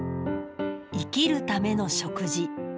生きるための食事。